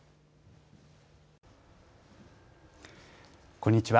こんにちは。